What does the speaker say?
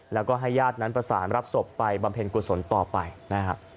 แล้วก็ให้ญาตินั้นประสานรับศพไปบำเพ็ญกุศลต่อไปนะฮะ